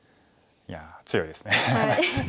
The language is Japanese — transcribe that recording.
いや強いですね。